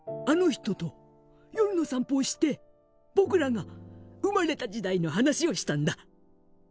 あの人と夜の散歩をして僕らが生まれた時代の話をしたんだ。